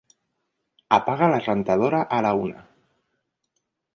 Apaga la rentadora a la una.